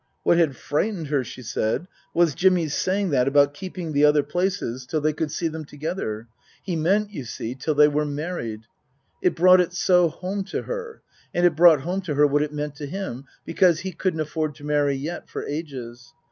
What had frightened her, she said, was Jimmy's saying that about keeping the other places till they could see Book I : My Book 79 them together. He meant, you see, till they were married. It brought it so home to her. And it brought home to her what it meant to him. Because he couldn't afford to marry yet for ages.